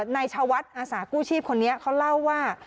นายชาวัดอาสากู้ชีพคนนี้เขาเล่าว่า